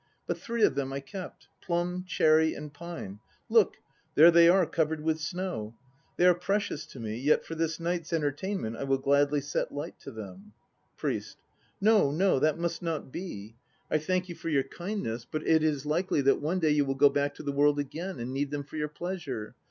But three of them, I kept, plum, cherry and pine. Look, there they are, covered with snow. They are precious to me; yet for this night's entertainment I will gladly set light to them. PRIEST. No, no, that must not be. I thank you for your kindness, but it HACHI NO KI 105 is likely that one day you will go back to the World again and need them for your pleasure.